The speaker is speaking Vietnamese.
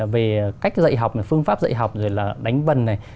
về cách dạy học phương pháp dạy học rồi là đánh vần này